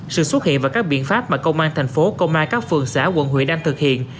sự xuất hiện và các biện pháp mà công an thành phố công an các phường xã quận huyện đang thực hiện